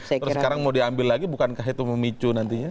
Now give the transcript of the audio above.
terus sekarang mau diambil lagi bukankah itu memicu nantinya